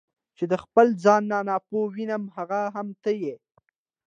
چې د خپل ځان نه ناپوه وینم هغه هم ته یې.